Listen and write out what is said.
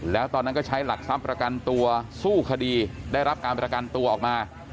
แล้วตอนนั้นก็ใช้หลักทรัพย์ประกันตัวสู้คดีได้รับการประกันตัวออกมา